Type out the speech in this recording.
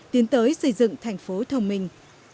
tiến tới xây dựng thành phố thông minh